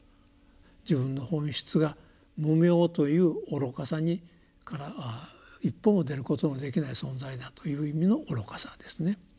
自分の本質が無明という愚かさから一歩も出ることのできない存在だという意味の愚かさですね。